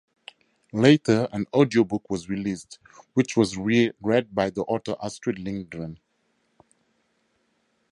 Later an audiobook was released which was read by the author Astrid Lindgren.